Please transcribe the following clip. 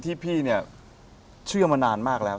พี่เนี่ยเชื่อมานานมากแล้ว